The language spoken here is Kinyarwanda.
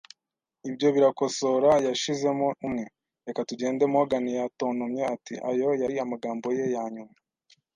“Ibyo birakosora!” yashizemo umwe. “Reka tugende.” Morgan yatontomye ati: “Ayo yari amagambo ye ya nyuma.